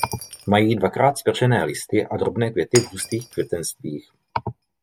Mají dvakrát zpeřené listy a drobné květy v hustých květenstvích.